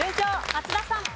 松田さん。